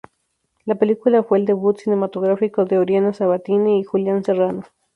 La película fue el debut cinematográfico de Oriana Sabatini y Julian Serrano.